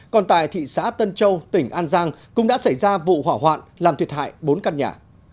còn tại thị xã tân châu tỉnh an giang cũng đã xảy ra vụ hỏa hoạn làm thiệt hại bốn căn nhà